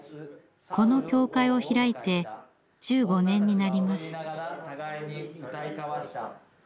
この教会を開いて１５年になります。